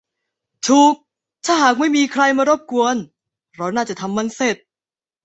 ถูก ถ้าหากไม่มีใครมารบกวนเราน่าจะทำมันเสร็จ